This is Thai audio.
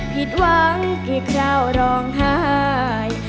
ผิดหวังกี่เจ้าร้องไห้